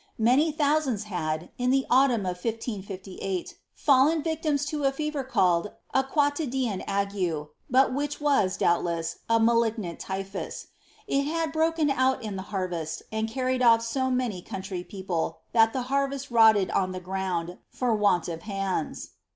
Many thousands bad, in the autumn of 1 558, fallen victims to a fever called a quotidian agoe, but which waa, d()ubtle.«4, a malignant typhus. It had broken out in the harvest, and carried otiTso many country people, that the harvest rotted on the ground for want of liands.